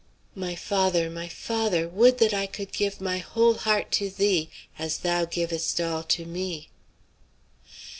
My father, my father! would that I could give my whole heart to thee as thou givest all to me!"